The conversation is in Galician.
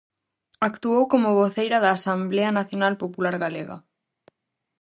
Actuou como voceira da Asemblea Nacional Popular Galega.